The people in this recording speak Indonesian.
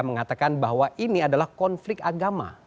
mengatakan bahwa ini adalah konflik agama